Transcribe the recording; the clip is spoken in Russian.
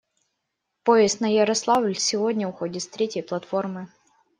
Поезд на Ярославль сегодня уходит с третьей платформы.